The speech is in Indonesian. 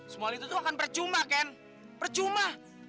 semua itu tuh akan percuma ken percuma